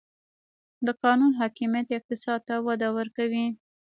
د قانون حاکمیت اقتصاد ته وده ورکوي؟